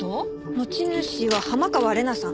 持ち主は浜川玲奈さん。